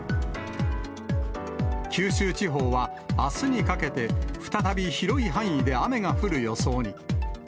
九州地方はあすにかけて再び広い範囲で雨が降る予想に。